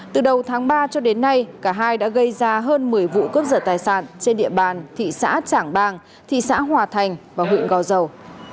từ đầu tháng ba cho đến nay cả hai đã gây ra hơn một mươi vụ cướp giật tài sản trên địa bàn thị xã trảng bàng thị xã hòa thành và huyện gò dầu